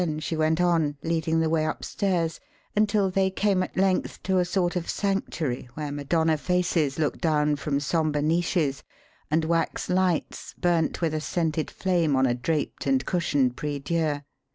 Then she went on, leading the way upstairs, until they came at length to a sort of sanctuary where Madonna faces looked down from sombre niches, and wax lights burnt with a scented flame on a draped and cushioned prie dieu.